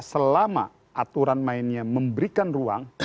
selama aturan mainnya memberikan ruang